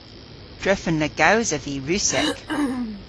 Drefen na gowsav vy Russek.